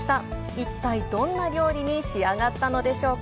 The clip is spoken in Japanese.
一体どんな料理に仕上がったのでしょうか。